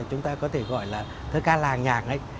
chúng ta có thể gọi là thơ ca làng nhạc ấy